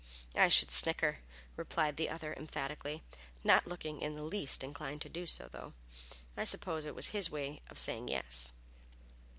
"I should snicker!" replied the other emphatically, not looking in the least inclined to do so, though. I suppose it was his way of saying yes.